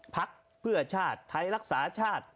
พักเพื่อชาติไทยรักษาชาติ